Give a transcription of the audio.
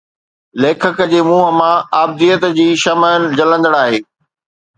ليکڪ جي منهن مان ابديت جي شمع جلندڙ آهي